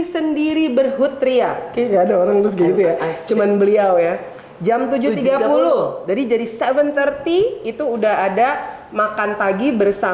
sendiri berhutri ya kayak ada orang cuman beliau ya jam tujuh tiga puluh dari jadi tujuh tiga puluh itu udah ada makan pagi